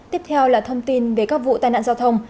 tiếp theo là thông tin về các vụ tai nạn giao thông